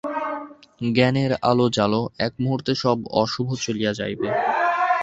জ্ঞানের আলো জ্বালো, এক মুহূর্তে সব অশুভ চলিয়া যাইবে।